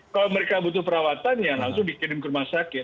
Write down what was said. kalau mereka butuh perawatan ya langsung dikirim ke rumah sakit